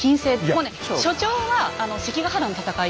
もうね所長は関ヶ原の戦いどうですか？